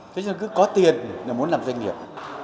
thế chứ cứ có tiền để muốn làm doanh nghiệp